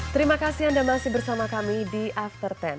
terima kasih anda masih bersama kami di after sepuluh